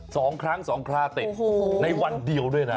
สองครั้งสองคราติดโอ้โหในวันเดียวด้วยนะ